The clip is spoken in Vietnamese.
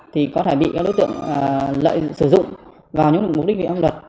thì có thể bị các đối tượng lợi sử dụng vào những mục đích viện âm luật